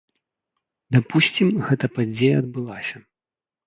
Дапусцім, гэта падзея адбылася.